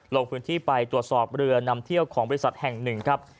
ลงพื้นที่ไปตรวจสอบเรือนำเที่ยวของบริษัทแห่งหนึ่งครับ